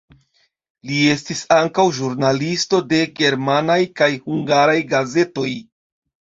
Li estis ankaŭ ĵurnalisto de germanaj kaj hungaraj gazetoj.